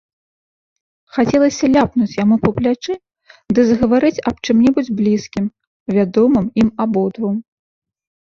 Хацелася ляпнуць яму па плячы ды загаварыць аб чым-небудзь блізкім, вядомым ім абодвум.